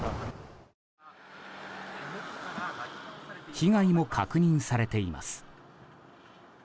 被害も確認されています。